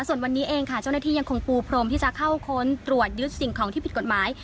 ส่วนวันนี้เองค่ะเจ้าหน้าที่ยังคงปูพรมที่จะเข้าค้นตรวจยึดสิ่งของที่ผิดกฎหมาย